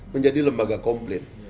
menjadi lembaga komplit